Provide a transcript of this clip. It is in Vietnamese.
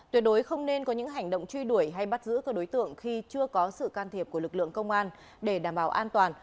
tuyệt đối không nên có những hành động truy đuổi hay bắt giữ các đối tượng khi chưa có sự can thiệp của lực lượng công an để đảm bảo an toàn